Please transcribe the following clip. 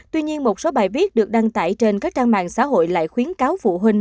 tuy nhiên một số bài viết được đăng tải trên các trang mạng xã hội lại khuyến cáo phụ huynh